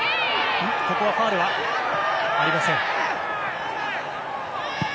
ここはファウルはありません。